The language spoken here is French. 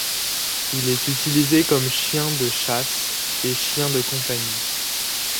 Il est utilisé comme chien de chasse et chien de compagnie.